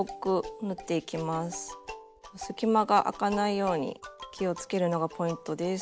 隙間があかないように気をつけるのがポイントです。